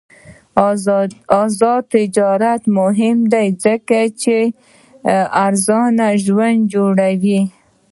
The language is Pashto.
آزاد تجارت مهم دی ځکه چې ارزان ژوند جوړوي.